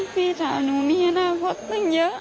พี่สาวหนูมีอนาคตตั้งเยอะ